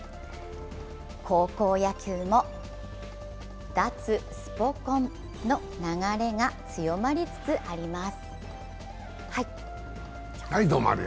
高校野球も脱スポ根の流れが強まりつつあります。